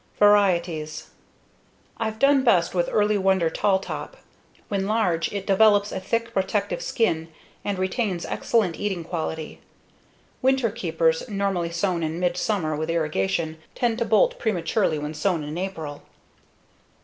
Varieties: I've done best with Early Wonder Tall Top; when large, it develops a thick, protective skin and retains excellent eating quality. Winterkeepers, normally sown in midsummer with irrigation, tend to bolt prematurely when sown in April.